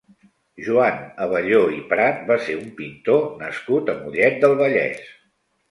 Joan Abelló i Prat va ser un pintor nascut a Mollet del Vallès.